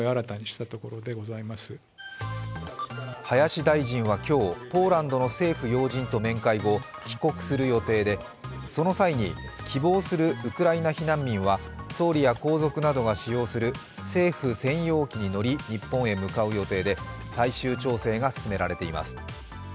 林大臣は今日、ポーランドの政府要人と面会後、帰国する予定で、その際に希望するウクライナ避難民は総理や皇族などが使用する政府専用機に乗り日本へ向かう予定で最終調整が進められています。